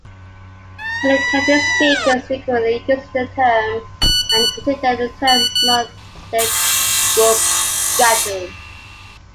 Many Cantonese speakers frequently use the term and consider the term non-derogatory.